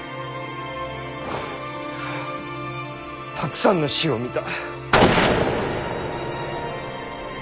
たくさんの死を見た。